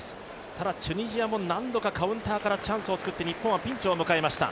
ただチュニジアも何度かカウンタ−からチャンスを作って日本はピンチを迎えました。